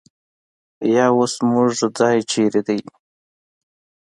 یا اوس زموږ ځای چېرې دی؟